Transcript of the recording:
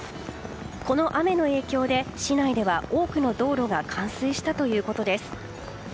この雨の影響で市内では多くの道路が冠水したということです。